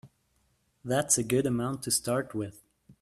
That's a good amount to start with.